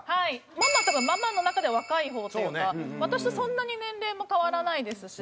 ママっていうかママの中では若い方というか私とそんなに年齢も変わらないですし。